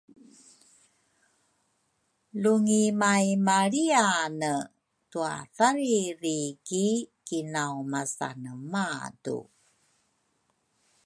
Lu ngimaimalriane twathariri ki kinaumasane madu